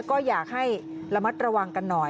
ก็อยากให้ระมัดระวังกันหน่อย